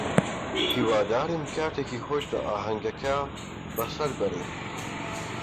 هیوادارم کاتێکی خۆش لە ئاهەنگەکە بەسەر بەرن.